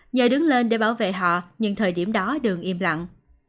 nhờ đứng lên để bảo vệ họ nhưng thời điểm đó đường im lặng